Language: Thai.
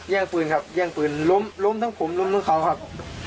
ปืนครับแย่งปืนล้มล้มทั้งผมล้มทั้งเขาครับ